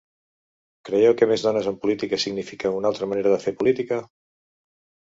Creieu que més dones en política significa una altra manera de fer política?